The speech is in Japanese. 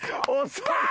遅い！